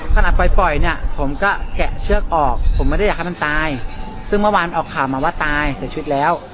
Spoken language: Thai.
ปล่อยปล่อยเนี่ยผมก็แกะเชือกออกผมไม่ได้อยากให้มันตายซึ่งเมื่อวานออกข่าวมาว่าตายเสียชีวิตแล้ว